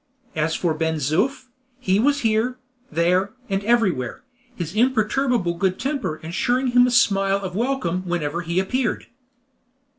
As for Ben Zoof, he was here, there, and everywhere, his imperturbable good temper ensuring him a smile of welcome whenever he appeared.